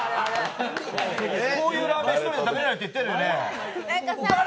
こういうラーメン屋１人で食べれないって言ってたよね。